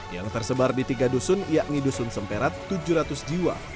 yang tersebar di tiga dusun yakni dusun sempet tujuh ratus jiwa